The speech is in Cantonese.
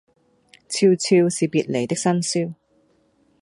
悄悄是別離的笙簫